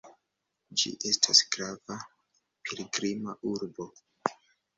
Ĝi estas grava pilgrima urbo.